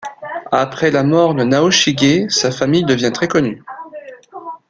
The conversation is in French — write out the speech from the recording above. Après la mort de Naoshige sa famille devient très connue.